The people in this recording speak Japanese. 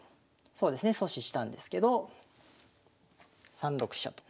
そうですね阻止したんですけど３六飛車と。